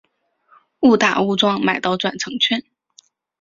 误打误撞买到转乘券